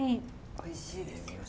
おいしいですよね。